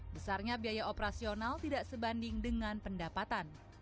besarnya biaya operasional tidak sebanding dengan pendapatan